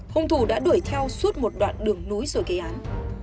hùng thủ đã đuổi theo suốt một đoạn đường núi rồi gây án